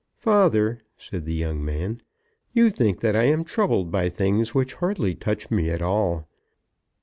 "Father," said the young man, "you think that I am troubled by things which hardly touch me at all."